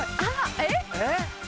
えっ。